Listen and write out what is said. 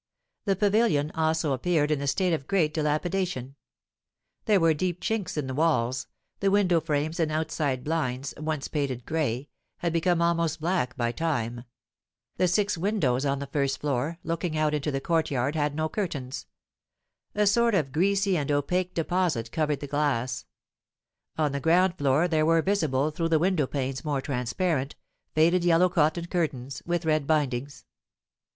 The pavilion also appeared in a state of great dilapidation. There were deep chinks in the walls; the window frames and outside blinds, once painted gray, had become almost black by time; the six windows on the first floor, looking out into the courtyard, had no curtains; a sort of greasy and opaque deposit covered the glass; on the ground floor there were visible through the window panes more transparent, faded yellow cotton curtains, with red bindings.